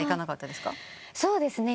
そうですね。